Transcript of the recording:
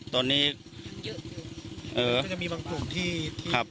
เยอะ